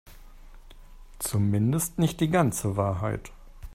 Zumindest nicht die ganze Wahrheit.